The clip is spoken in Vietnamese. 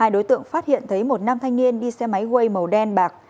hai đối tượng phát hiện thấy một nam thanh niên đi xe máy quay màu đen bạc